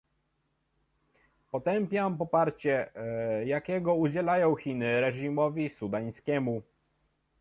Potępiam poparcie, jakiego udzielają Chiny reżimowi sudańskiemu